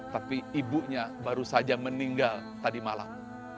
tapi ibunya baru saja meninggal tadi malam